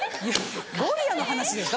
ゴリラの話ですか？